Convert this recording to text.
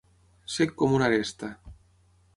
Sec com una aresta.